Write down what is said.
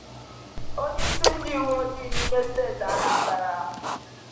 onyeisi ndị uweojii n'ime steeti Anambra